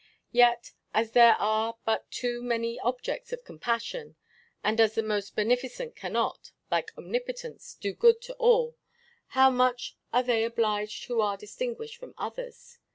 Yet, as there are but too many objects of compassion, and as the most beneficent cannot, like Omnipotence, do good to all, how much are they obliged who are distinguished from others!